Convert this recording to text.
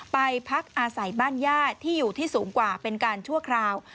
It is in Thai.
ไปพักอาศัยบ้านญาติที่อยู่ที่สูงกว่าเป็นการชั่วคราว